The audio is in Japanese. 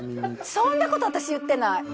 そんなこと私言ってない！